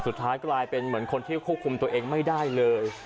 สุดท้ายกลายเป็นเหมือนคนที่ควบคุมตัวเองไม่ได้เลย